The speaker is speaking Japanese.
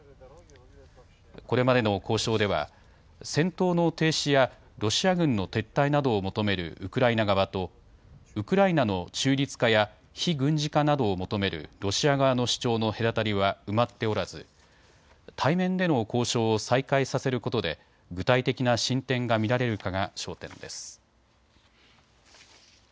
これまでの交渉では戦闘の停止やロシア軍の撤退などを求めるウクライナ側とウクライナの中立化や非軍事化などを求めるロシア側の主張の隔たりは埋まっておらず対面での交渉を再開させることで具体的な進展が見られるかが焦点です。